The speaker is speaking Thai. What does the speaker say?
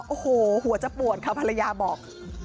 โอ้โหหัวจะปวดค่ะภรรยาบอก